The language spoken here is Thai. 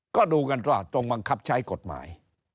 ก็ดูกันว่าตรงบังคับใช้กฎหมาย